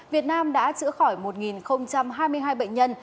việt nam đã chữa khỏi một hai mươi hai bệnh nhân